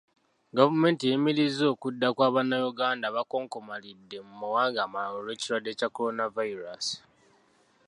Gavumenti eyimirizza okudda kwa Bannayuganda abakonkomalidde mu mawanga amalala olw'ekirwadde kya Coronavirus.